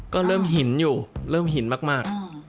ก็เริ่มหินอยู่เริ่มหินมาก